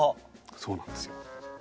そうなんですよ。